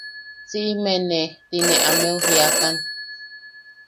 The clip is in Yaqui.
“siʼime ne” ti ne ameu jiakan.